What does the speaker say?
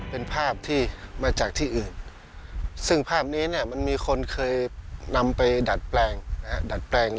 เป็นภาพที่มาจากที่อื่นซึ่งภาพนี้มันมีคนเคยนำไปดัดแปลงดัดแปลง